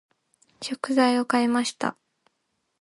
食材を買いました。